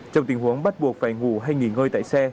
trong tình huống bắt buộc phải ngủ hay nghỉ ngơi tại xe